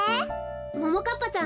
ももかっぱちゃん